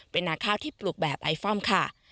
เป็นนาข้าวที่ปลูกแบบไอฟอมค่ะ